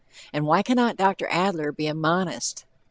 And why cannot Dr. Adler be a monist?